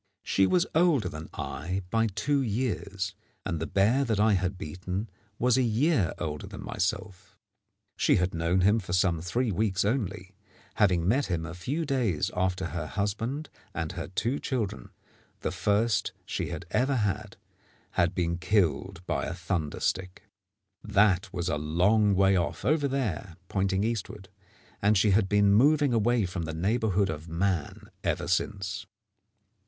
She was older than I by two years, and the bear that I had beaten was a year older than myself. She had known him for some three weeks only, having met him a few days after her husband and her two children, the first she had ever had, had been killed by a thunder stick. That was a long way off over there pointing eastward and she had been moving away from the neighbourhood of man ever since.